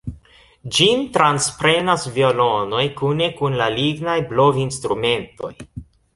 Ĝin transprenas violonoj kune kun la lignaj blovinstrumentoj.